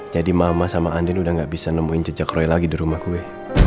jadi mama sama andin udah gak bisa nemuin jejak roy lagi di rumah gue